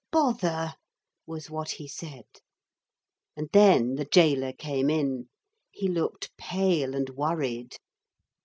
'Bother!' was what he said. And then the gaoler came in. He looked pale and worried.